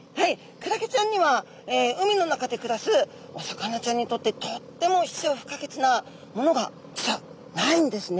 クラゲちゃんには海の中で暮らすお魚ちゃんにとってとっても必要不可欠なものが実はないんですね。